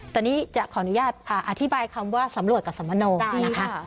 ตอนนี้จะขออนุญาตอธิบายคำว่าสำรวจกับสมโนนะคะ